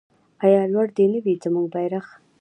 آیا لوړ دې نه وي زموږ بیرغ؟